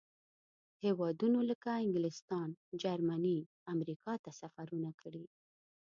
هېوادونو لکه انګلستان، جرمني، امریکا ته سفرونه کړي.